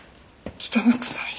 汚くないよ。